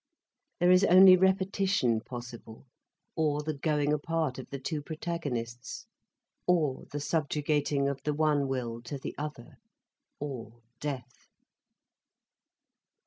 There is only repetition possible, or the going apart of the two protagonists, or the subjugating of the one will to the other, or death.